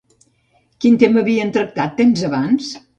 Quin tema havien tractat temps abans?